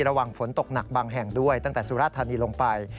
ระวังฝนตกหนักบางแห่งด้วยตั้งแต่สุราธานีลงไป